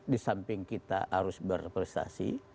di samping kita harus berprestasi